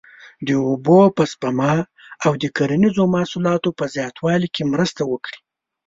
د اوبو په سپما او د کرنیزو محصولاتو په زیاتوالي کې مرسته وکړي.